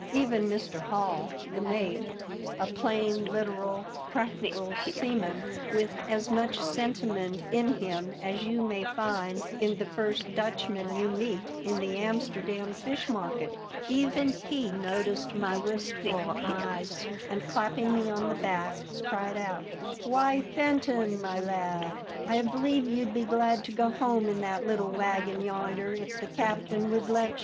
Even Mr. Hall, the mate, a plain, literal, practical seaman, with 8 THE DEATH SHIP. as much sentiment in him as you may find in the first Dutchman you meet in the Amster dam fish market, even he noticed mv wistful eyes, and clapping me on the back, cried out —" Why, Fenton, my lad, I believe you'd be glad to go home in that little wagon yonder if the captain would let ye."